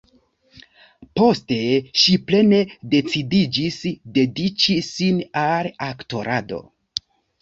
Poste ŝi plene decidiĝis dediĉi sin al aktorado.